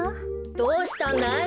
どうしたんだい？